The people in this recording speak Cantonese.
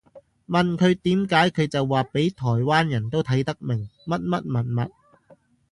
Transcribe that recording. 問佢點解佢就話畀台灣人都睇得明乜乜物物